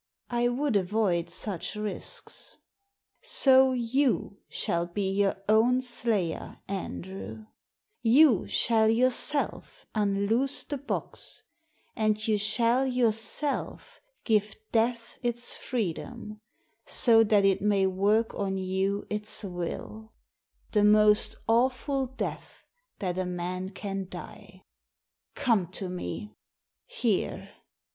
I would avoid such risks. So you shall be your own slayer, Andrew. Digitized by VjOOQIC i6 THE SEEN AND THE UNSEEN You shall yourself unloose the box, and you shall yourself give death its freedom, so that it may work on you its will. The most awful death that a man ^ can die ! Come to me, here